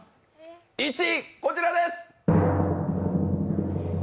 １位、こちらです！